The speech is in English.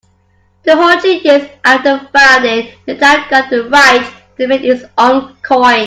Two hundred years after founding, the town got the right to mint its own coin.